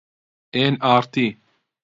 ئێن ئاڕ تی